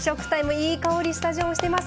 いい香りスタジオしてますが。